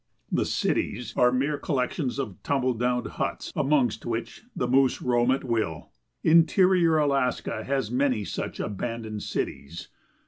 The "cities" are mere collections of tumble down huts amongst which the moose roam at will. Interior Alaska has many such abandoned "cities."